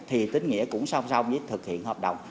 thì tín nghĩa cũng song song với thực hiện hợp đồng